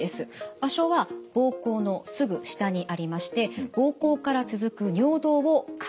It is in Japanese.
場所は膀胱のすぐ下にありまして膀胱から続く尿道を囲んでいます。